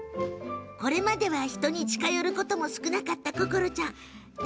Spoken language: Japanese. これまでは人に近寄ることも少なかったココロちゃん